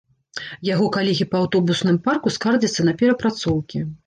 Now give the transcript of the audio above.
Яго калегі па аўтобусным парку скардзяцца на перапрацоўкі.